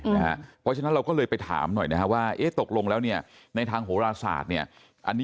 เพราะฉะนั้นเราก็เลยไปถามหน่อยว่าตกลงแล้วในทางโฮลาศาสตร์